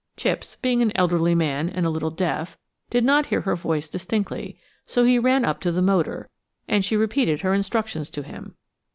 Chipps, being an elderly man and a little deaf, did not hear her voice distinctly, so he ran up to the motor, and she repeated her instructions to him.